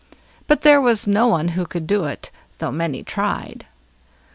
But there was no one who could do it, though many tried.